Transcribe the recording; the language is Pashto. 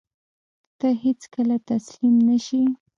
ته هېڅکله تسلیم نه شې.